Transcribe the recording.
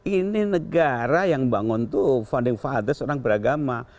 ini negara yang bangun tuh founding fathers orang beragama